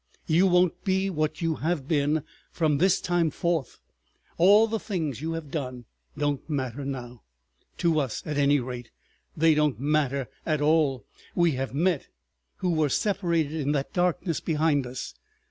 ... You won't be what you have been from this time forth. All the things you have done—don't matter now. To us, at any rate, they don't matter at all. We have met, who were separated in that darkness behind us.